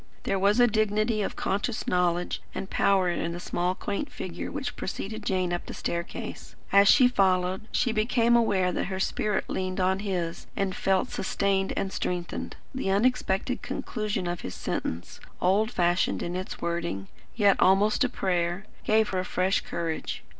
There was a dignity of conscious knowledge and power in the small quaint figure which preceded Jane up the staircase. As she followed, she became aware that her spirit leaned on his and felt sustained and strengthened. The unexpected conclusion of his sentence, old fashioned in its wording, yet almost a prayer, gave her fresh courage.